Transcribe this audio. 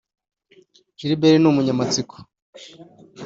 Gilbert ni umunyamatsiko